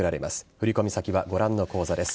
振り込み先はご覧の口座です。